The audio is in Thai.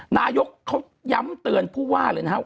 นายกเขาย้ำเตือนผู้ว่าเลยนะครับ